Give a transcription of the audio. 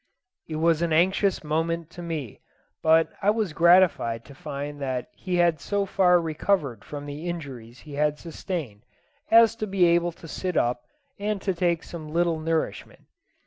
It was an anxious moment to me; but I was gratified to find that he had so far recovered from the injuries he had sustained as to be able to sit up and to take some little nourishment.